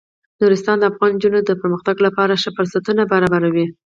نورستان د افغان نجونو د پرمختګ لپاره ښه فرصتونه برابروي.